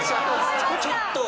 ちょっとは。